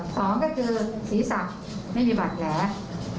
สองก็คือศีรศักดิ์ไม่มีบัตรแหละ